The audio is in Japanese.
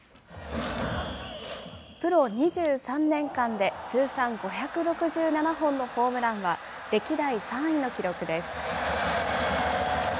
プロ２３年間で通算５６７本のホームランは、歴代３位の記録です。